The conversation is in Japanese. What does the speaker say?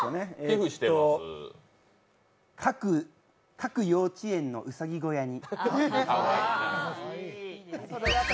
各幼稚園のうさぎ小屋に。